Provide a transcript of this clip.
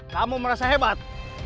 kamu merasa hebat